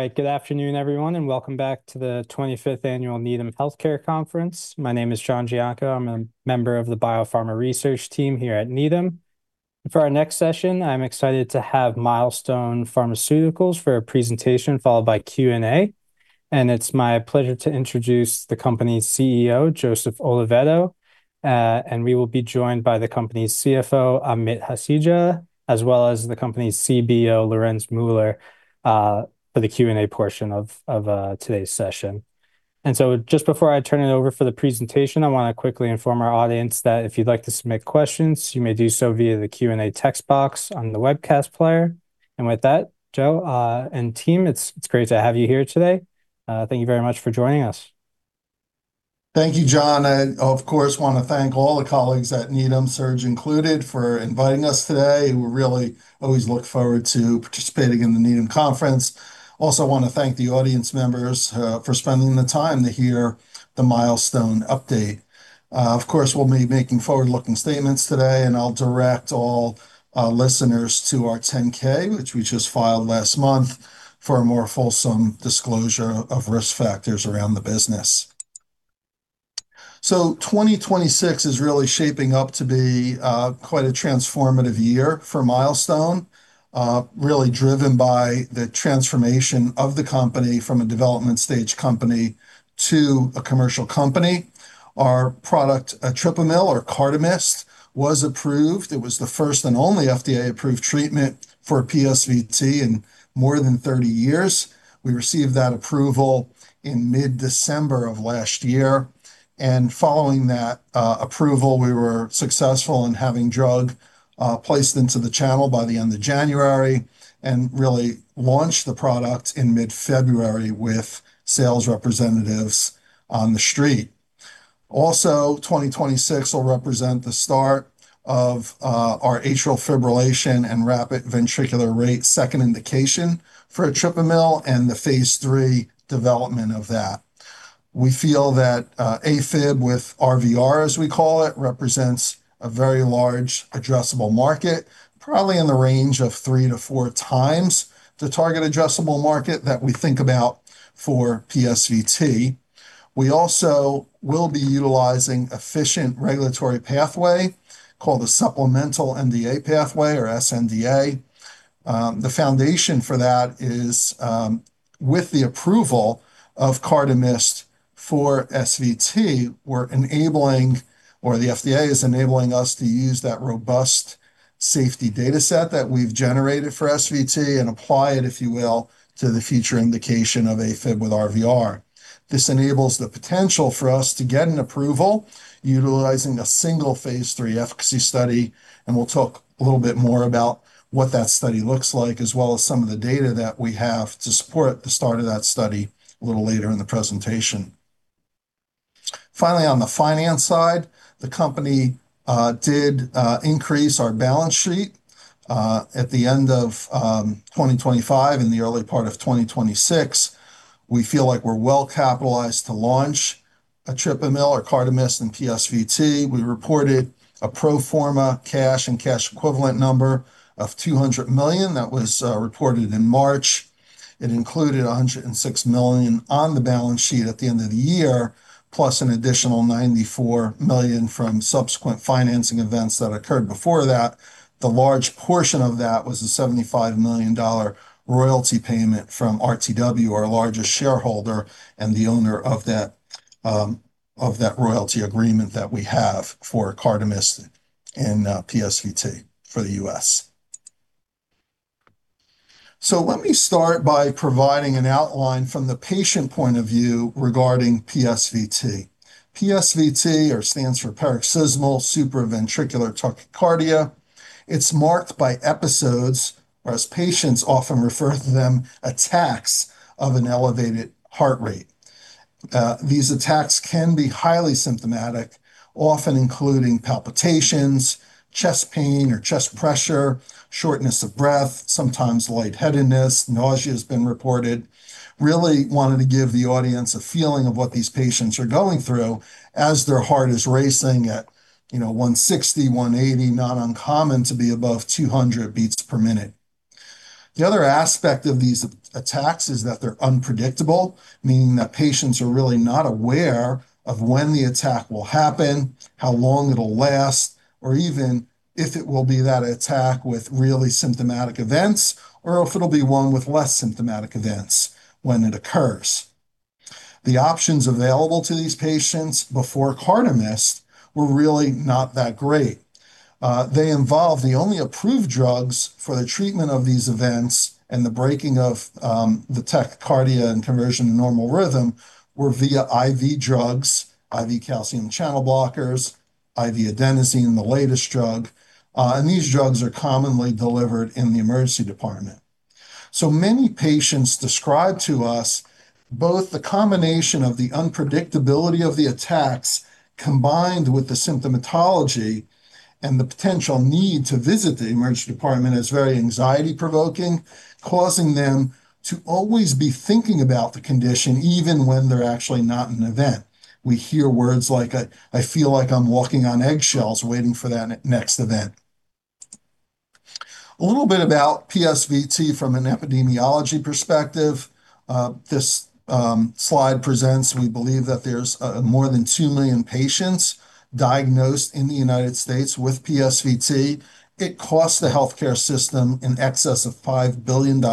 All right. Good afternoon, everyone, and welcome back to the 25th Annual Needham Healthcare Conference. My name is John Gionco. I'm a member of the Biopharma Research team here at Needham. For our next session, I'm excited to have Milestone Pharmaceuticals for a presentation followed by Q&A. It's my pleasure to introduce the company's CEO, Joseph Oliveto, and we will be joined by the company's CFO, Amit Hasija, as well as the company's CBO, Lorenz Muller, for the Q&A portion of today's session. Just before I turn it over for the presentation, I want to quickly inform our audience that if you'd like to submit questions, you may do so via the Q&A text box on the webcast player. With that, Joe, and team, it's great to have you here today. Thank you very much for joining us. Thank you, John. I, of course, want to thank all the colleagues at Needham, Serge included, for inviting us today. We really always look forward to participating in the Needham Conference. I also want to thank the audience members for spending the time to hear the Milestone update. Of course, we'll be making forward-looking statements today, and I'll direct all listeners to our 10-K, which we just filed last month, for a more fulsome disclosure of risk factors around the business. 2026 is really shaping up to be quite a transformative year for Milestone, really driven by the transformation of the company from a development stage company to a commercial company. Our product, etripamil or CARDAMYST, was approved. It was the first and only FDA-approved treatment for PSVT in more than 30 years. We received that approval in mid-December of last year. Following that approval, we were successful in having drug placed into the channel by the end of January and really launched the product in mid-February with sales representatives on the street. Also, 2026 will represent the start of our atrial fibrillation and rapid ventricular rate second indication for etripamil and the phase III development of that. We feel that AFib with RVR, as we call it, represents a very large addressable market, probably in the range of three to four times the target addressable market that we think about for PSVT. We also will be utilizing efficient regulatory pathway called the Supplemental NDA pathway or sNDA. The foundation for that is with the approval of CARDAMYST for SVT, we're enabling, or the FDA is enabling us to use that robust safety data set that we've generated for SVT and apply it, if you will, to the future indication of AFib with RVR. This enables the potential for us to get an approval utilizing a single phase three efficacy study, and we'll talk a little bit more about what that study looks like, as well as some of the data that we have to support the start of that study a little later in the presentation. Finally, on the finance side, the company did increase our balance sheet, at the end of 2025 and the early part of 2026. We feel like we're well-capitalized to launch etripamil or CARDAMYST in PSVT. We reported a pro forma cash and cash-equivalent number of $200 million. That was reported in March. It included $106 million on the balance sheet at the end of the year, plus an additional $94 million from subsequent financing events that occurred before that. The large portion of that was a $75 million royalty payment from RTW, our largest shareholder, and the owner of that royalty agreement that we have for CARDAMYST in PSVT for the U.S. Let me start by providing an outline from the patient point of view regarding PSVT. PSVT stands for paroxysmal supraventricular tachycardia. It's marked by episodes, or as patients often refer to them, attacks of an elevated heart rate. These attacks can be highly symptomatic, often including palpitations, chest pain or chest pressure, shortness of breath, sometimes lightheadedness. Nausea has been reported. really wanted to give the audience a feeling of what these patients are going through as their heart is racing at 160, 180, not uncommon to be above 200 beats per minute. The other aspect of these attacks is that they're unpredictable, meaning that patients are really not aware of when the attack will happen, how long it'll last, or even if it will be that attack with really symptomatic events, or if it'll be one with less symptomatic events when it occurs. The options available to these patients before CARDAMYST were really not that great. They involved the only approved drugs for the treatment of these events, and the breaking of the tachycardia and conversion to normal rhythm were via IV drugs, IV calcium channel blockers, IV adenosine, the latest drug, and these drugs are commonly delivered in the emergency department. Many patients describe to us both the combination of the unpredictability of the attacks combined with the symptomatology and the potential need to visit the emergency department as very anxiety-provoking, causing them to always be thinking about the condition even when they're actually not in an event. We hear words like, I feel like I'm walking on eggshells waiting for that next event. A little bit about PSVT from an epidemiology perspective. This slide presents, we believe that there's more than 2 million patients diagnosed in the United States with PSVT. It costs the healthcare system in excess of $5 billion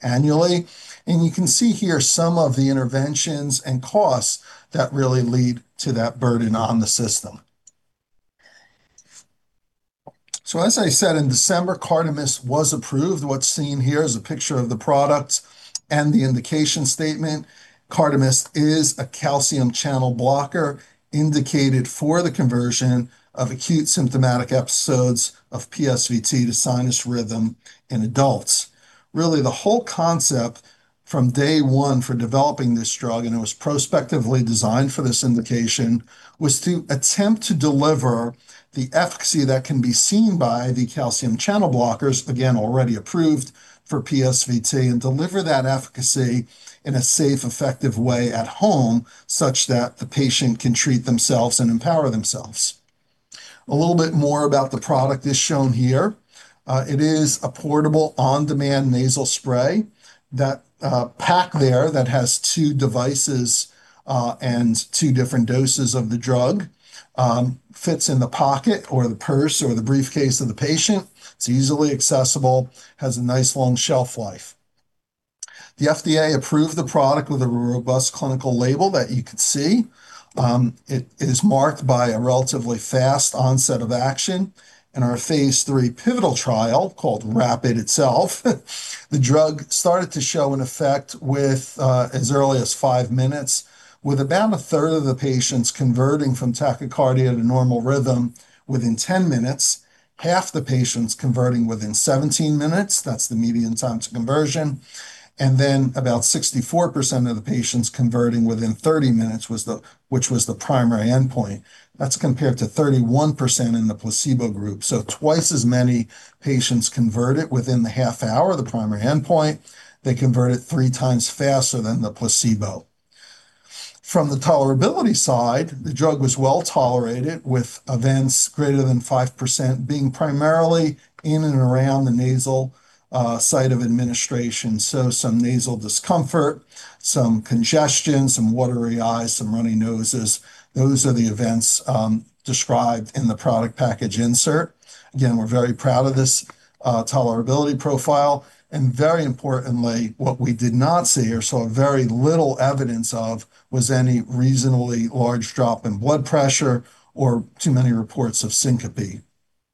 annually, and you can see here some of the interventions and costs that really lead to that burden on the system. As I said, in December, CARDAMYST was approved. What's seen here is a picture of the product and the indication statement. CARDAMYST is a calcium channel blocker indicated for the conversion of acute symptomatic episodes of PSVT to sinus rhythm in adults. Really the whole concept from day one for developing this drug, and it was prospectively designed for this indication, was to attempt to deliver the efficacy that can be seen by the calcium channel blockers, again, already approved for PSVT, and deliver that efficacy in a safe, effective way at home such that the patient can treat themselves and empower themselves. A little bit more about the product is shown here. It is a portable on-demand nasal spray. That pack there that has two devices and two different doses of the drug fits in the pocket or the purse or the briefcase of the patient. It's easily accessible, has a nice long shelf life. The FDA approved the product with a robust clinical label that you can see. It is marked by a relatively fast onset of action. In our phase three pivotal trial, called Rapid itself, the drug started to show an effect with as early as five minutes, with about a third of the patients converting from tachycardia to normal rhythm within 10 minutes, half the patients converting within 17 minutes, that's the median time to conversion, and then about 64% of the patients converting within 30 minutes, which was the primary endpoint. That's compared to 31% in the placebo group. So twice as many patients converted within the half hour, the primary endpoint. They converted three times faster than the placebo. From the tolerability side, the drug was well-tolerated, with events greater than 5% being primarily in and around the nasal site of administration. So some nasal discomfort, some congestion, some watery eyes, some runny noses. Those are the events described in the product package insert. Again, we're very proud of this tolerability profile. Very importantly, what we did not see or saw very little evidence of was any reasonably large drop in blood pressure or too many reports of syncope,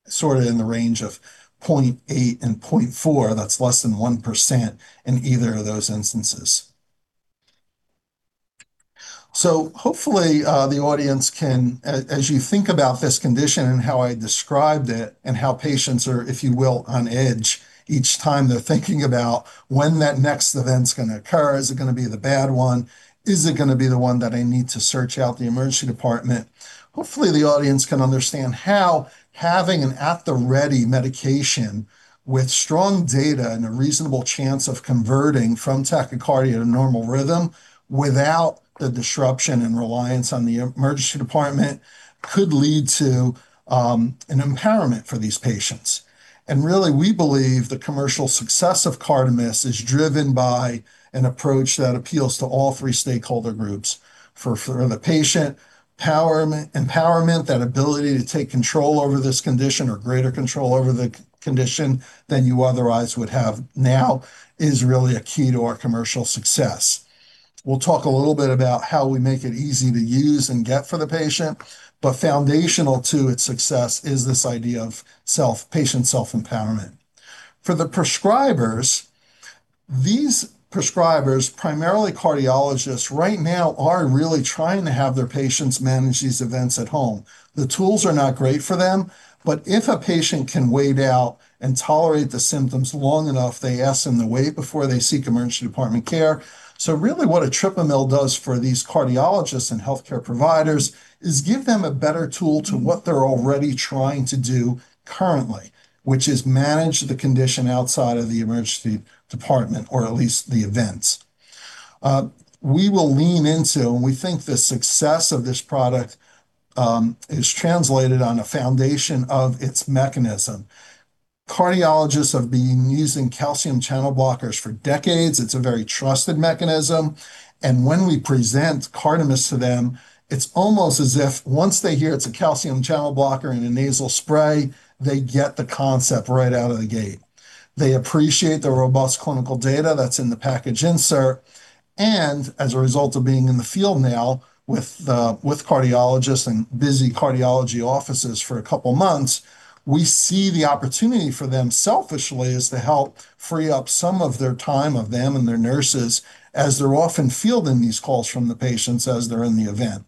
sort of in the range of 0.8% and 0.4%. That's less than 1% in either of those instances. Hopefully, the audience can, as you think about this condition and how I described it and how patients are, if you will, on edge each time they're thinking about when that next event's going to occur. Is it going to be the bad one? Is it going to be the one that I need to search out the emergency department? Hopefully, the audience can understand how having an at-the-ready medication with strong data and a reasonable chance of converting from tachycardia to normal rhythm without the disruption and reliance on the emergency department could lead to an empowerment for these patients. Really, we believe the commercial success of CARDAMYST is driven by an approach that appeals to all three stakeholder groups. For the patient, empowerment, that ability to take control over this condition or greater control over the condition than you otherwise would have now is really a key to our commercial success. We'll talk a little bit about how we make it easy to use and get for the patient, but foundational to its success is this idea of patient self-empowerment. For the prescribers, these prescribers, primarily cardiologists, right now are really trying to have their patients manage these events at home. The tools are not great for them, but if a patient can wait out and tolerate the symptoms long enough, they ask them to wait before they seek emergency department care. Really what etripamil does for these cardiologists and healthcare providers is give them a better tool to what they're already trying to do currently, which is manage the condition outside of the emergency department, or at least the events. We will lean into, and we think the success of this product is translated on a foundation of its mechanism. Cardiologists have been using calcium channel blockers for decades. It's a very trusted mechanism. When we present CARDAMYST to them, it's almost as if once they hear it's a calcium channel blocker in a nasal spray, they get the concept right out of the gate. They appreciate the robust clinical data that's in the package insert, and as a result of being in the field now with cardiologists and busy cardiology offices for a couple of months, we see the opportunity for them selfishly is to help free up some of their time of them and their nurses, as they're often fielding these calls from the patients as they're in the event.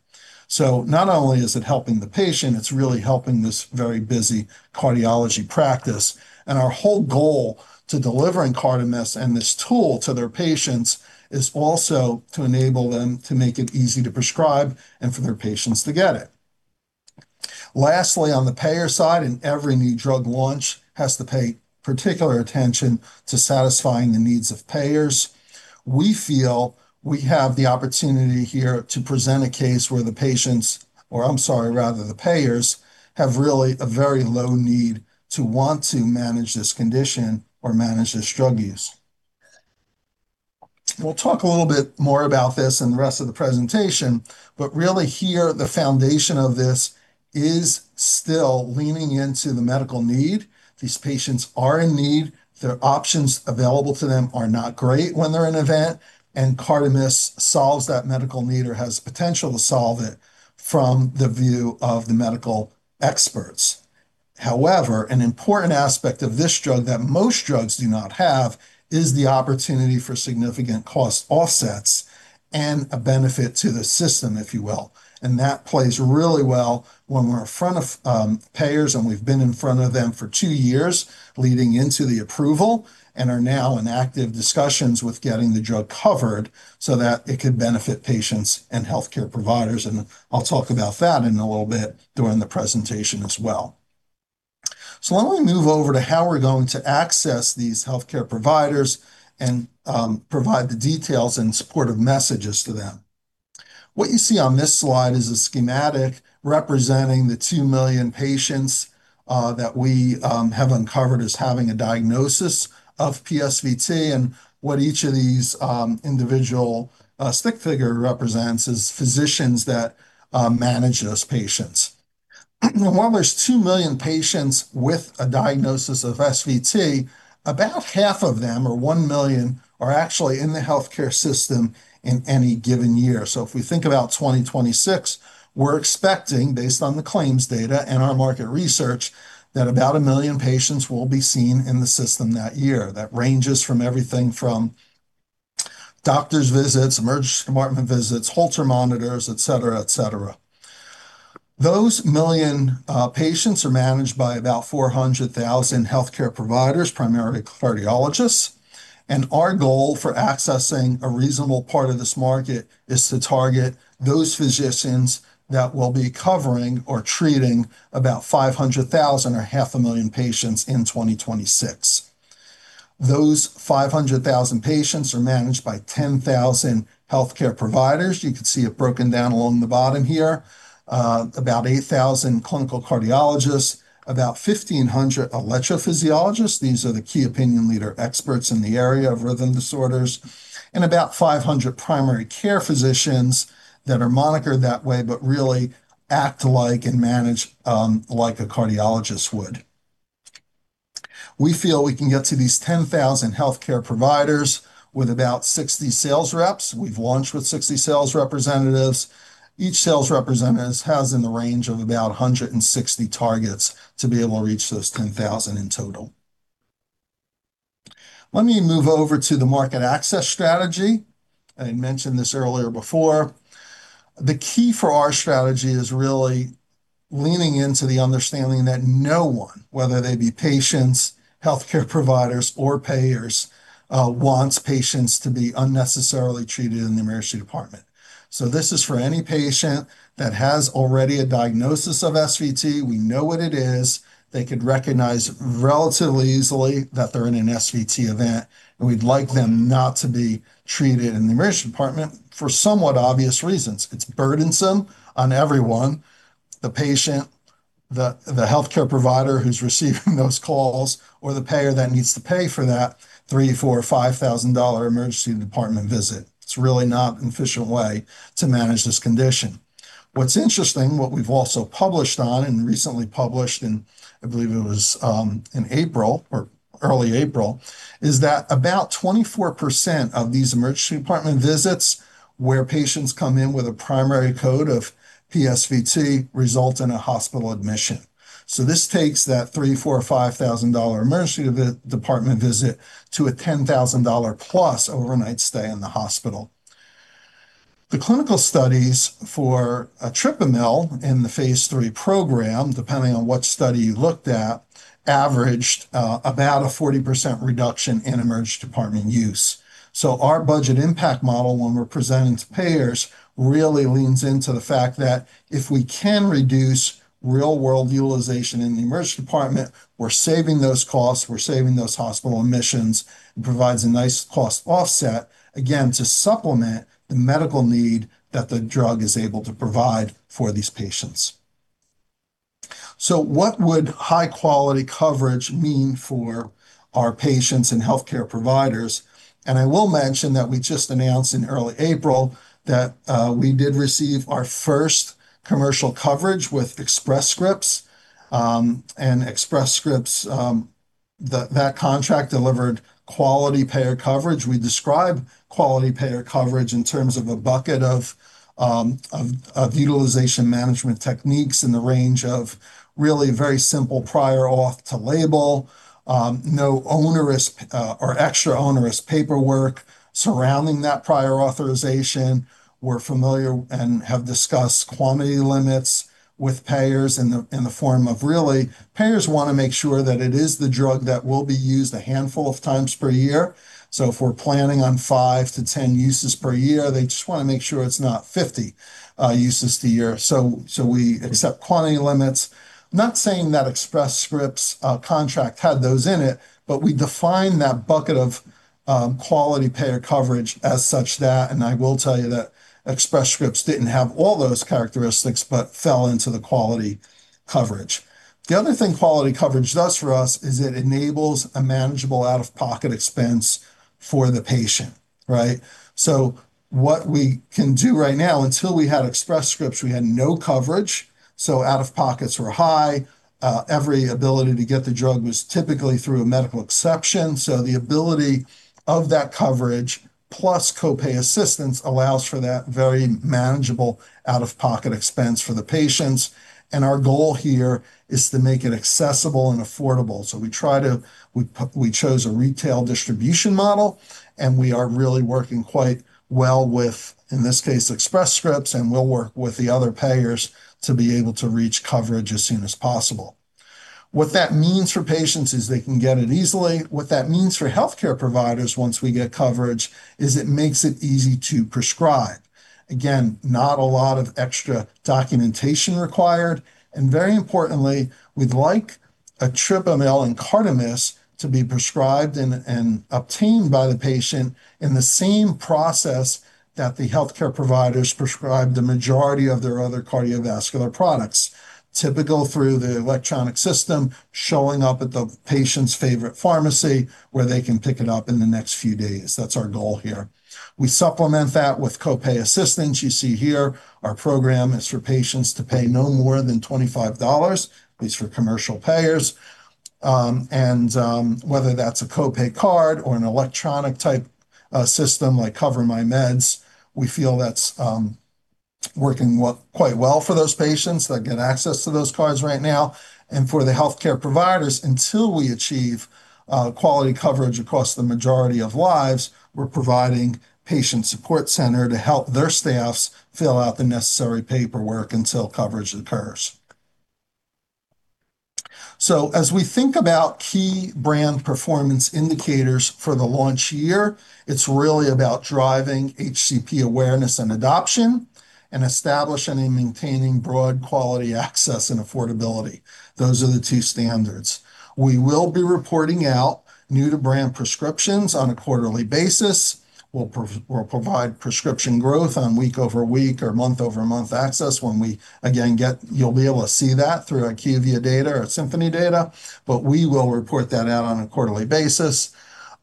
Not only is it helping the patient, it's really helping this very busy cardiology practice. Our whole goal to delivering CARDAMYST and this tool to their patients is also to enable them to make it easy to prescribe and for their patients to get it. Lastly, on the payer side, every new drug launch has to pay particular attention to satisfying the needs of payers. We feel we have the opportunity here to present a case where the patients, or I'm sorry, rather the payers, have really a very low need to want to manage this condition or manage this drug use. We'll talk a little bit more about this in the rest of the presentation, but really here, the foundation of this is still leaning into the medical need. These patients are in need. Their options available to them are not great when they're in event, and CARDAMYST solves that medical need or has potential to solve it from the view of the medical experts. However, an important aspect of this drug that most drugs do not have is the opportunity for significant cost offsets and a benefit to the system, if you will. That plays really well when we're in front of payers, and we've been in front of them for two years leading into the approval, and are now in active discussions with getting the drug covered so that it could benefit patients and healthcare providers. I'll talk about that in a little bit during the presentation as well. Why don't we move over to how we're going to access these healthcare providers and provide the details and supportive messages to them. What you see on this slide is a schematic representing the 2 million patients that we have uncovered as having a diagnosis of PSVT. What each of these individual stick figure represents is physicians that manage those patients. While there's 2 million patients with a diagnosis of SVT, about half of them, or 1 million, are actually in the healthcare system in any given year. If we think about 2026, we're expecting, based on the claims data and our market research, that about a million patients will be seen in the system that year. That ranges from everything from doctor's visits, emergency department visits, Holter monitors, et cetera. Those million patients are managed by about 400,000 healthcare providers, primarily cardiologists. Our goal for accessing a reasonable part of this market is to target those physicians that will be covering or treating about 500,000 or half a million patients in 2026. Those 500,000 patients are managed by 10,000 healthcare providers. You can see it broken down along the bottom here, about 8,000 clinical cardiologists, about 1,500 electrophysiologists. These are the key opinion leader experts in the area of rhythm disorders, and about 500 primary care physicians that are monikered that way, but really act like and manage like a cardiologist would. We feel we can get to these 10,000 healthcare providers with about 60 sales reps. We've launched with 60 sales representatives. Each sales representative has in the range of about 160 targets to be able to reach those 10,000 in total. Let me move over to the market access strategy. I mentioned this earlier before. The key for our strategy is really leaning into the understanding that no one, whether they be patients, healthcare providers, or payers, wants patients to be unnecessarily treated in the emergency department. This is for any patient that has already a diagnosis of SVT. We know what it is. They could recognize relatively easily that they're in an SVT event, and we'd like them not to be treated in the emergency department for somewhat obvious reasons. It's burdensome on everyone, the patient, the healthcare provider who's receiving those calls, or the payer that needs to pay for that three, four, or $5,000 emergency department visit. It's really not an efficient way to manage this condition. What's interesting, what we've also published on and recently published in, I believe it was in April or early April, is that about 24% of these emergency department visits where patients come in with a primary code of PSVT result in a hospital admission. This takes that three, four, or $5,000 emergency department visit to a $10,000+ overnight stay in the hospital. The clinical studies for etripamil in the phase III program, depending on what study you looked at, averaged about a 40% reduction in emergency department use. Our budget impact model, when we're presenting to payers, really leans into the fact that if we can reduce real-world utilization in the emergency department, we're saving those costs, we're saving those hospital admissions. It provides a nice cost offset, again, to supplement the medical need that the drug is able to provide for these patients. What would high-quality coverage mean for our patients and healthcare providers? I will mention that we just announced in early April that we did receive our first commercial coverage with Express Scripts. Express Scripts, that contract delivered quality payer coverage. We describe quality payer coverage in terms of a bucket of utilization management techniques in the range of really very simple prior auth to label, no extra onerous paperwork surrounding that prior authorization. We're familiar and have discussed quantity limits with payers in the form of, really, payers want to make sure that it is the drug that will be used a handful of times per year. If we're planning on five-10 uses per year, they just want to make sure it's not 50 uses the year. We accept quantity limits. Not saying that Express Scripts contract had those in it, but we define that bucket of quality payer coverage as such that, and I will tell you that Express Scripts didn't have all those characteristics, but fell into the quality coverage. The other thing quality coverage does for us is it enables a manageable out-of-pocket expense for the patient, right? What we can do right now, until we had Express Scripts, we had no coverage, so out-of-pockets were high. Every ability to get the drug was typically through a medical exception. The ability of that coverage, plus copay assistance, allows for that very manageable out-of-pocket expense for the patients. Our goal here is to make it accessible and affordable. We chose a retail distribution model, and we are really working quite well with, in this case, Express Scripts, and we'll work with the other payers to be able to reach coverage as soon as possible. What that means for patients is they can get it easily. What that means for healthcare providers once we get coverage is it makes it easy to prescribe. Again, not a lot of extra documentation required. Very importantly, we'd like etripamil and CARDAMYST to be prescribed and obtained by the patient in the same process that the healthcare providers prescribe the majority of their other cardiovascular products. Typical through the electronic system, showing up at the patient's favorite pharmacy, where they can pick it up in the next few days. That's our goal here. We supplement that with copay assistance. You see here our program is for patients to pay no more than $25, at least for commercial payers. Whether that's a copay card or an electronic type system like CoverMyMeds, we feel that's working quite well for those patients that get access to those cards right now. For the healthcare providers, until we achieve quality coverage across the majority of lives, we're providing patient support center to help their staffs fill out the necessary paperwork until coverage occurs. As we think about key brand performance indicators for the launch year, it's really about driving HCP awareness and adoption and establishing and maintaining broad quality access and affordability. Those are the two standards. We will be reporting out new-to-brand prescriptions on a quarterly basis. We'll provide prescription growth on week-over-week or month-over-month access. You'll be able to see that through IQVIA data or Symphony data. We will report that out on a quarterly basis.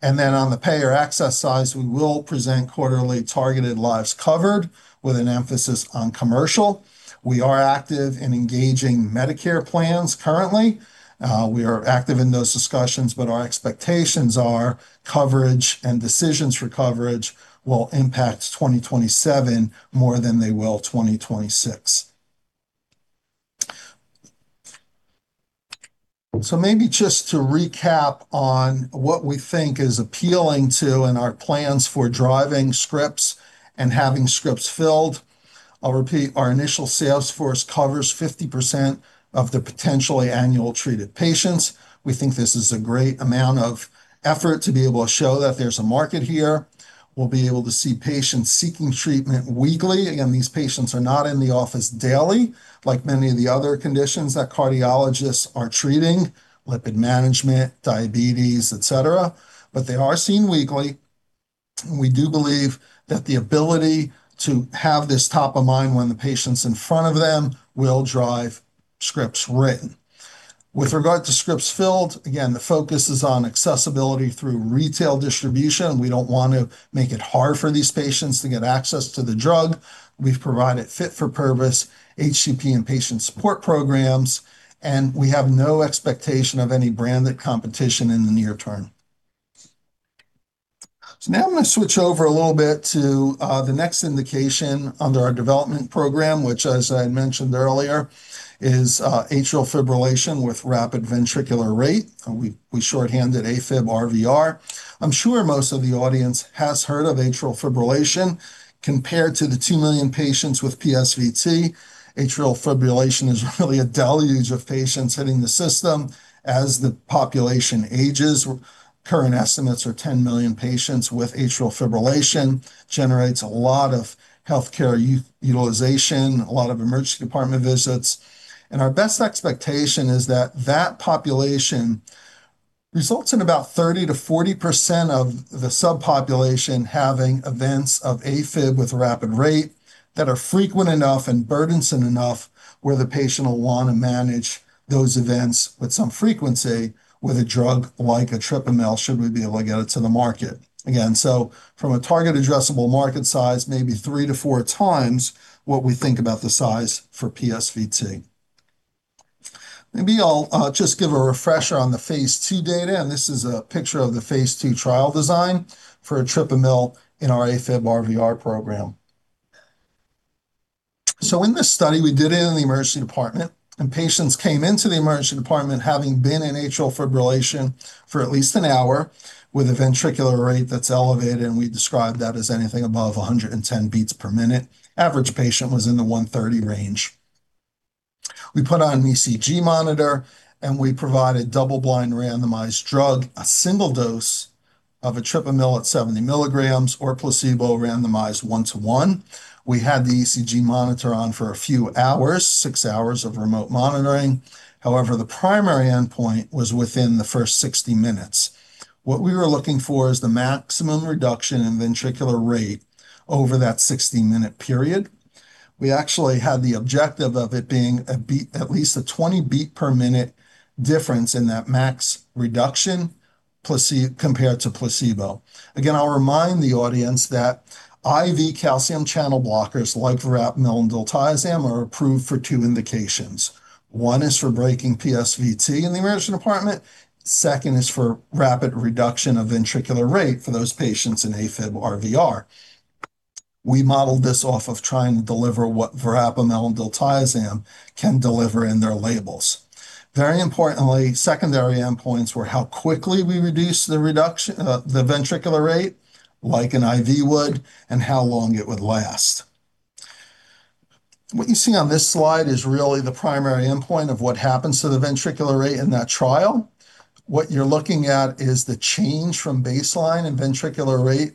On the payer access side, we will present quarterly targeted lives covered with an emphasis on commercial. We are active in engaging Medicare plans currently. We are active in those discussions, but our expectations are coverage and decisions for coverage will impact 2027 more than they will 2026. Maybe just to recap on what we think is appealing to, and our plans for driving scripts and having scripts filled. I'll repeat, our initial sales force covers 50% of the potentially annual treated patients. We think this is a great amount of effort to be able to show that there's a market here. We'll be able to see patients seeking treatment weekly. Again, these patients are not in the office daily, like many of the other conditions that cardiologists are treating, lipid management, diabetes, et cetera. They are seen weekly. We do believe that the ability to have this top of mind when the patient's in front of them will drive scripts written. With regard to scripts filled, again, the focus is on accessibility through retail distribution. We don't want to make it hard for these patients to get access to the drug. We've provided fit-for-purpose HCP and patient support programs, and we have no expectation of any branded competition in the near term. Now I'm going to switch over a little bit to the next indication under our development program, which, as I mentioned earlier, is atrial fibrillation with rapid ventricular rate. We shorthand it AFib-RVR. I'm sure most of the audience has heard of atrial fibrillation. Compared to the 2 million patients with PSVT, atrial fibrillation is really a deluge of patients hitting the system as the population ages. Current estimates are 10 million patients with atrial fibrillation. It generates a lot of healthcare utilization, a lot of emergency department visits. Our best expectation is that that population results in about 30%-40% of the subpopulation having events of AFib with rapid rate that are frequent enough and burdensome enough where the patient will want to manage those events with some frequency with a drug like etripamil, should we be able to get it to the market. Again, from a target addressable market size, maybe three-four times what we think about the size for PSVT. Maybe I'll just give a refresher on the phase II data. This is a picture of the phase II trial design for etripamil in our AFib-RVR program. In this study, we did it in the emergency department. Patients came into the emergency department having been in atrial fibrillation for at least an hour with a ventricular rate that's elevated. We describe that as anything above 110 beats per minute. The average patient was in the 130 range. We put on an ECG monitor. We provided double-blind randomized drug, a single dose of etripamil at 70 mg or placebo randomized 1/1. We had the ECG monitor on for a few hours, six hours of remote monitoring. However, the primary endpoint was within the first 60 minutes. What we were looking for is the maximum reduction in ventricular rate over that 60-minute period. We actually had the objective of it being at least a 20 beat per minute difference in that max reduction compared to placebo. Again, I'll remind the audience that IV calcium channel blockers like verapamil and diltiazem are approved for two indications. One is for breaking PSVT in the emergency department. Second is for rapid reduction of ventricular rate for those patients in AFib-RVR. We modeled this off of trying to deliver what verapamil and diltiazem can deliver in their labels. Very importantly, secondary endpoints were how quickly we reduced the ventricular rate, like an IV would, and how long it would last. What you see on this slide is really the primary endpoint of what happens to the ventricular rate in that trial. What you're looking at is the change from baseline in ventricular rate,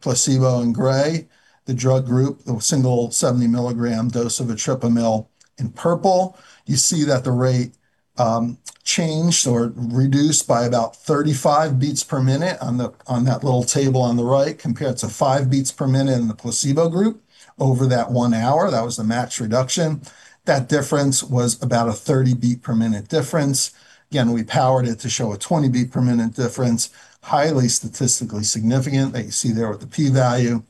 placebo in gray, the drug group, the single 70 mg dose of etripamil in purple. You see that the rate changed or reduced by about 35 beats per minute on that little table on the right, compared to five beats per minute in the placebo group over that one hour. That was the max reduction. That difference was about a 30 beat per minute difference. Again, we powered it to show a 20 beat per minute difference, highly statistically significant that you see there with the p-value.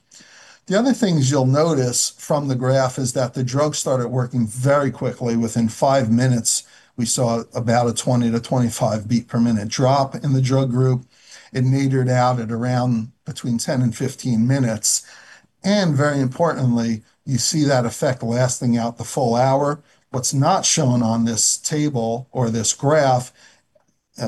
The other things you'll notice from the graph is that the drug started working very quickly. Within five minutes, we saw about a 20-25 beat per minute drop in the drug group. It neared out at around between 10 and 15 minutes. Very importantly, you see that effect lasting out the full hour. What's not shown on this table or this graph,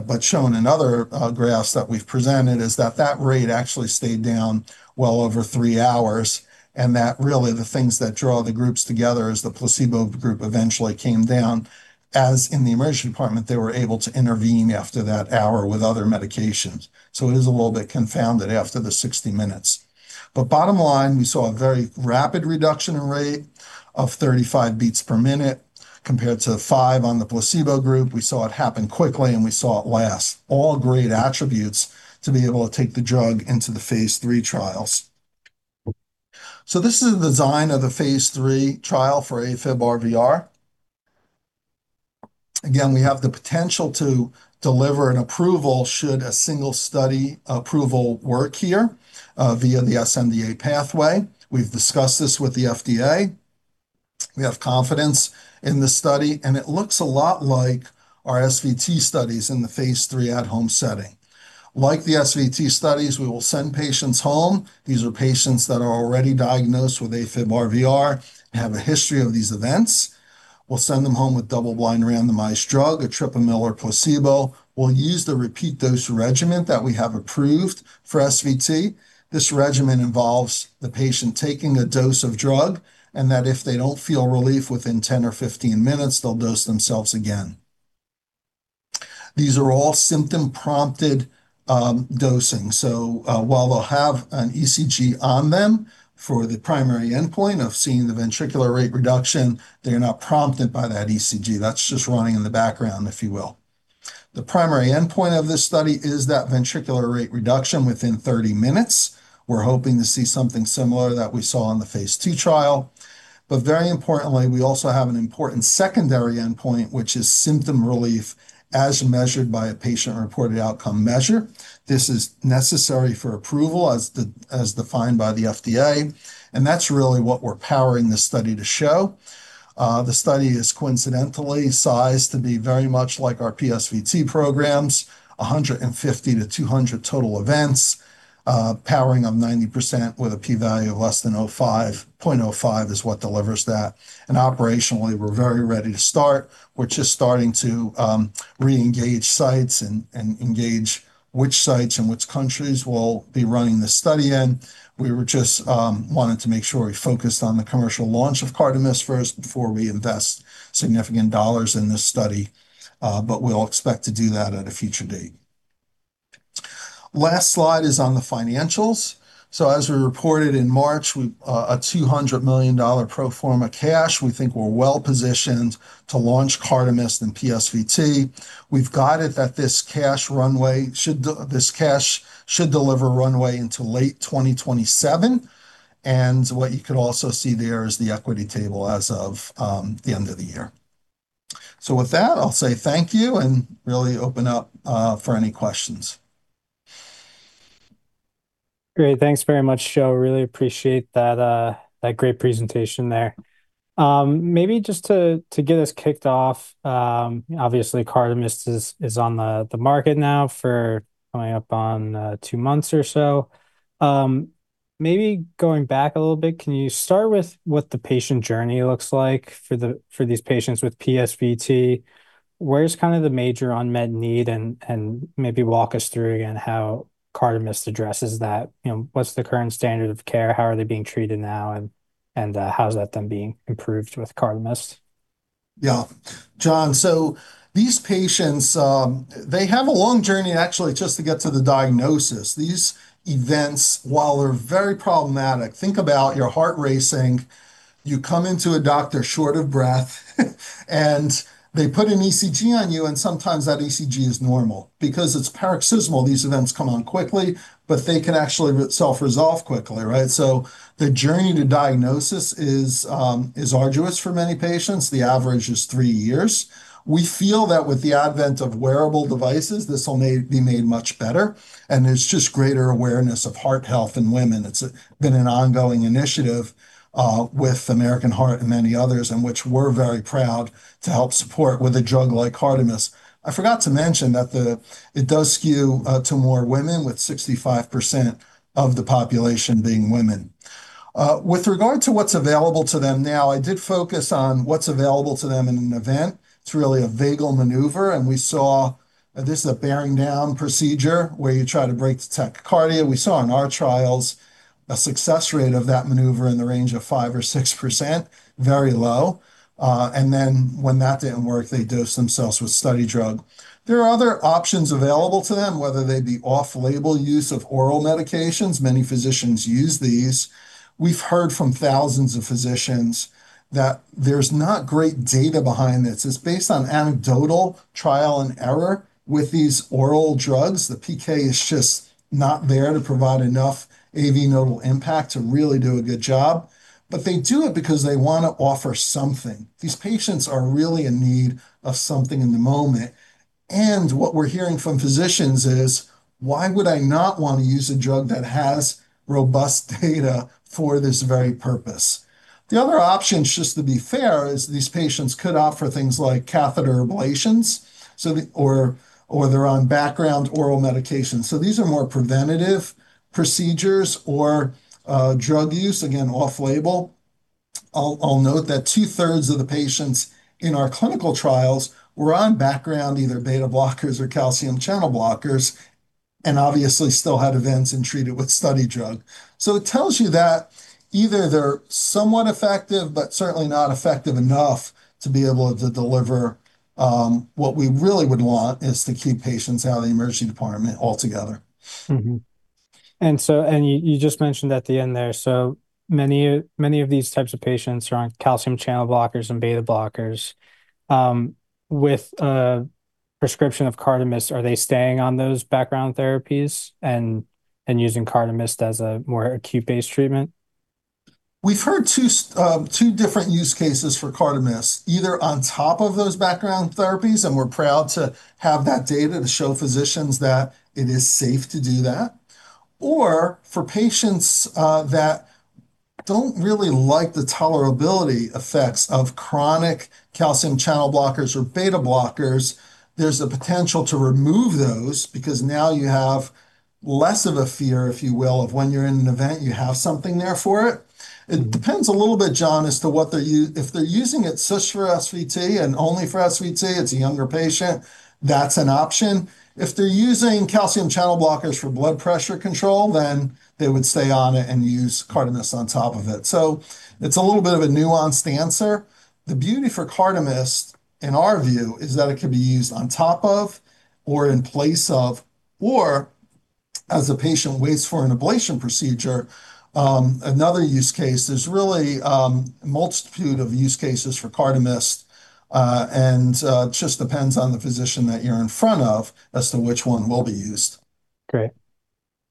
but shown in other graphs that we've presented, is that that rate actually stayed down well over three hours, and that really the things that draw the groups together is the placebo group eventually came down. As in the emergency department, they were able to intervene after that hour with other medications. It is a little bit confounded after the 60 minutes. Bottom line, we saw a very rapid reduction in rate of 35 beats per minute compared to five on the placebo group. We saw it happen quickly, and we saw it last. All great attributes to be able to take the drug into the phase III trials. This is the design of the phase III trial for AFib-RVR. Again, we have the potential to deliver an approval should a single study approval work here via the sNDA pathway. We've discussed this with the FDA. We have confidence in the study, and it looks a lot like our SVT studies in the phase III at-home setting. Like the SVT studies, we will send patients home. These are patients that are already diagnosed with AFib-RVR and have a history of these events. We'll send them home with double-blind randomized drug, etripamil or placebo. We'll use the repeat dose regimen that we have approved for SVT. This regimen involves the patient taking a dose of drug, and that if they don't feel relief within 10 or 15 minutes, they'll dose themselves again. These are all symptom-prompted dosing. While they'll have an ECG on them for the primary endpoint of seeing the ventricular rate reduction, they're not prompted by that ECG. That's just running in the background, if you will. The primary endpoint of this study is that ventricular rate reduction within 30 minutes. We're hoping to see something similar that we saw in the phase II trial. Very importantly, we also have an important secondary endpoint, which is symptom relief as measured by a patient-reported outcome measure. This is necessary for approval as defined by the FDA, and that's really what we're powering this study to show. The study is coincidentally sized to be very much like our PSVT programs, 150-200 total events, powering of 90% with a p-value of less than 0.05. 0.05 is what delivers that. Operationally, we're very ready to start. We're just starting to re-engage sites and engage which sites and which countries we'll be running the study in. We were just wanting to make sure we focused on the commercial launch of CARDAMYST first before we invest significant dollars in this study. We'll expect to do that at a future date. Last slide is on the financials. As we reported in March, a $200 million pro forma cash. We think we're well-positioned to launch CARDAMYST in PSVT. We've guided that this cash should deliver runway into late 2027. What you can also see there is the equity table as of the end of the year. With that, I'll say thank you, and really open up for any questions. Great. Thanks very much, Joe. I really appreciate that great presentation there. Maybe just to get us kicked off, obviously, CARDAMYST is on the market now for coming up on two months or so. Maybe going back a little bit, can you start with what the patient journey looks like for these patients with PSVT? Where's kind of the major unmet need, and maybe walk us through again how CARDAMYST addresses that? What's the current standard of care? How are they being treated now, and how is that then being improved with CARDAMYST? Yeah. John, these patients, they have a long journey, actually, just to get to the diagnosis. These events, while they're very problematic, think about your heart racing. You come into a doctor short of breath, and they put an ECG on you, and sometimes that ECG is normal. Because it's paroxysmal, these events come on quickly, but they can actually self-resolve quickly. The journey to diagnosis is arduous for many patients. The average is three years. We feel that with the advent of wearable devices, this will be made much better, and there's just greater awareness of heart health in women. It's been an ongoing initiative, with American Heart and many others, and which we're very proud to help support with a drug like CARDAMYST. I forgot to mention that it does skew to more women, with 65% of the population being women. With regard to what's available to them now, I did focus on what's available to them in an event. It's really a vagal maneuver, and we saw this is a bearing down procedure where you try to break the tachycardia. We saw in our trials a success rate of that maneuver in the range of 5% or 6%, very low. When that didn't work, they dosed themselves with study drug. There are other options available to them, whether they be off-label use of oral medications. Many physicians use these. We've heard from thousands of physicians that there's not great data behind this. It's based on anecdotal trial and error with these oral drugs. The PK is just not there to provide enough AV nodal impact to really do a good job. They do it because they want to offer something. These patients are really in need of something in the moment. What we're hearing from physicians is, why would I not want to use a drug that has robust data for this very purpose? The other option, just to be fair, is these patients could opt for things like catheter ablations, or they're on background oral medications. These are more preventative procedures or drug use, again, off-label. I'll note that two-thirds of the patients in our clinical trials were on background, either beta blockers or calcium channel blockers, and obviously still had events and treated with study drug. It tells you that either they're somewhat effective, but certainly not effective enough to be able to deliver. What we really would want is to keep patients out of the emergency department altogether. Mm-hmm. You just mentioned at the end there, so many of these types of patients are on calcium channel blockers and beta blockers. With a prescription of CARDAMYST, are they staying on those background therapies and using CARDAMYST as a more acute-based treatment? We've heard two different use cases for CARDAMYST, either on top of those background therapies, and we're proud to have that data to show physicians that it is safe to do that, or for patients that don't really like the tolerability effects of chronic calcium channel blockers or beta blockers, there's the potential to remove those because now you have less of a fear, if you will, of when you're in an event, you have something there for it. It depends a little bit, John. If they're using it just for SVT and only for SVT, it's a younger patient. That's an option. If they're using calcium channel blockers for blood pressure control, then they would stay on it and use CARDAMYST on top of it. It's a little bit of a nuanced answer. The beauty for CARDAMYST, in our view, is that it could be used on top of or in place of or as a patient waits for an ablation procedure, another use case. There's really a multitude of use cases for CARDAMYST, and it just depends on the physician that you're in front of as to which one will be used. Great.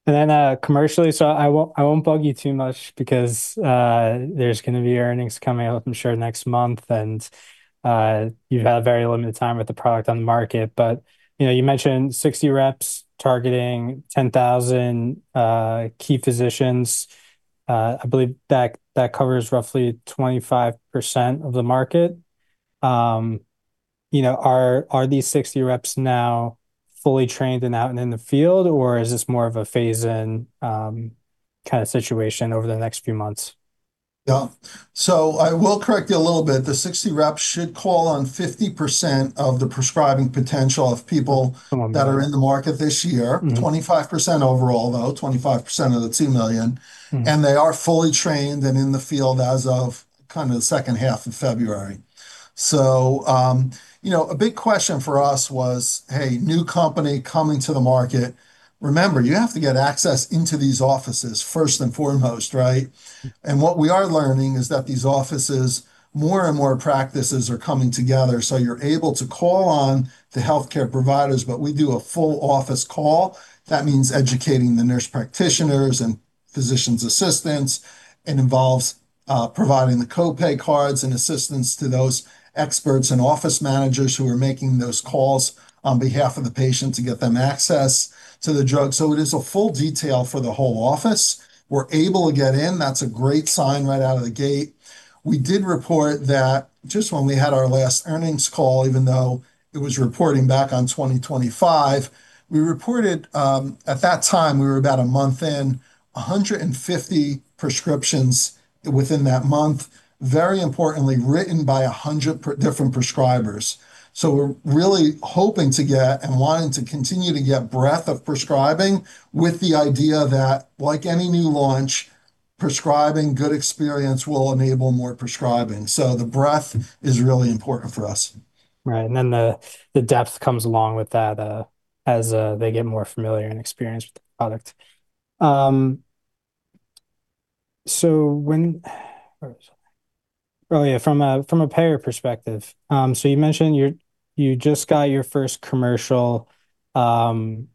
Commercially, so I won't bug you too much because there's going to be earnings coming out, I'm sure, next month, and you've had a very limited time with the product on the market. You mentioned 60 reps targeting 10,000 key physicians. I believe that covers roughly 25% of the market. Are these 60 reps now fully trained and out in the field, or is this more of a phase-in kind of situation over the next few months? Yeah. I will correct you a little bit. The 60 reps should call on 50% of the prescribing potential of people. Oh, okay. That are in the market this year. Mm-hmm. 25% overall, though, 25% of the 2 million. Mm-hmm. They are fully trained and in the field as of the H2 of February. A big question for us was, hey, new company coming to the market. Remember, you have to get access into these offices first and foremost, right? Mm-hmm. What we are learning is that these offices, more and more practices are coming together, so you're able to call on the healthcare providers. We do a full office call. That means educating the nurse practitioners and physicians' assistants. It involves providing the copay cards and assistance to those experts and office managers who are making those calls on behalf of the patient to get them access to the drug. It is a full detail for the whole office. We're able to get in. That's a great sign right out of the gate. We did report that just when we had our last earnings call, even though it was reporting back on 2025, we reported at that time, we were about a month in, 150 prescriptions within that month, very importantly, written by 100 different prescribers. We're really hoping to get and wanting to continue to get breadth of prescribing with the idea that, like any new launch, prescribing good experience will enable more prescribing. The breadth is really important for us. Right, and then the depth comes along with that as they get more familiar and experienced with the product. From a payer perspective, so you mentioned you just got your first commercial program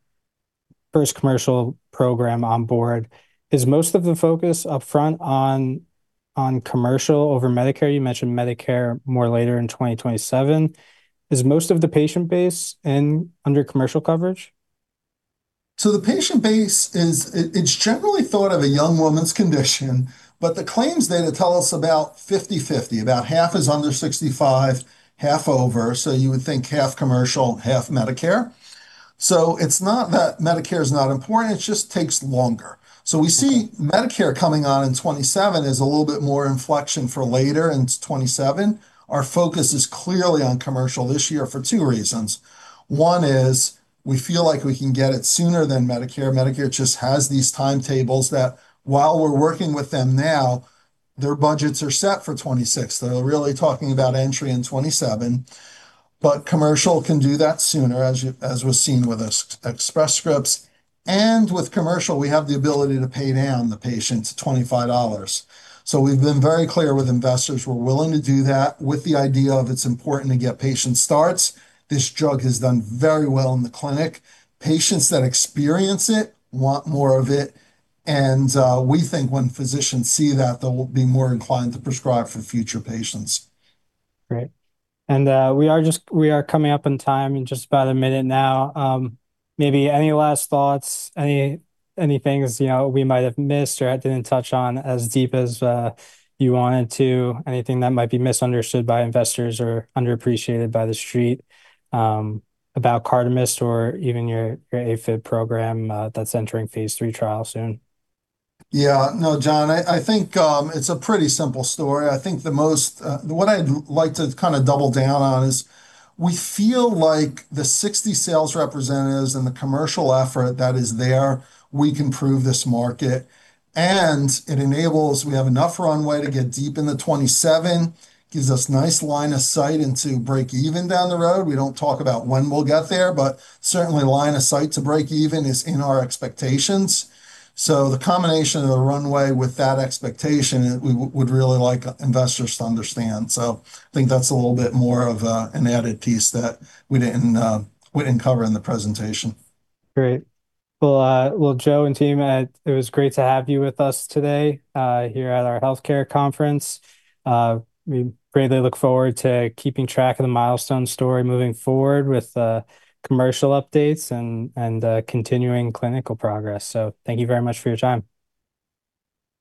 on board. Is most of the focus upfront on commercial over Medicare? You mentioned Medicare more later in 2027. Is most of the patient base under commercial coverage? The patient base is, it's generally thought of a young woman's condition, but the claims data tell us about 50/50, about half is under 65, half over. You would think half commercial, half Medicare. It's not that Medicare is not important, it just takes longer. We see Medicare coming on in 2027 is a little bit more inflection for later into 2027. Our focus is clearly on commercial this year for two reasons. One is we feel like we can get it sooner than Medicare. Medicare just has these timetables that while we're working with them now, their budgets are set for 2026. They're really talking about entry in 2027. Commercial can do that sooner, as was seen with Express Scripts, and with commercial, we have the ability to pay down the patient to $25. We've been very clear with investors we're willing to do that with the idea of it's important to get patient starts. This drug has done very well in the clinic. Patients that experience it want more of it, and we think when physicians see that, they'll be more inclined to prescribe for future patients. Great. We are coming up on time in just about a minute now. Maybe any last thoughts? Any things we might have missed or I didn't touch on as deep as you wanted to? Anything that might be misunderstood by investors or underappreciated by the Street about CARDAMYST or even your AFib program that's entering phase III trial soon? Yeah. No, John, I think it's a pretty simple story. I think what I'd like to double down on is we feel like the 60 sales representatives and the commercial effort that is there, we can prove this market, and it enables we have enough runway to get deep into 2027, gives us nice line of sight into break-even down the road. We don't talk about when we'll get there, but certainly line of sight to break-even is in our expectations. The combination of the runway with that expectation, we would really like investors to understand. I think that's a little bit more of an added piece that we didn't cover in the presentation. Great. Well, Joe and team, it was great to have you with us today here at our healthcare conference. We greatly look forward to keeping track of the Milestone story moving forward with commercial updates and continuing clinical progress. Thank you very much for your time.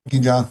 Thank you, John.